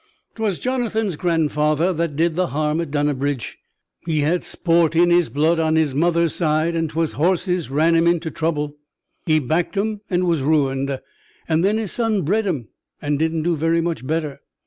'Twas Jonathan's grandfather that did the harm at Dunnabridge. He had sport in his blood, on his mother's side, and 'twas horses ran him into trouble. He backed 'em, and was ruined; and then his son bred 'em, and didn't do very much better.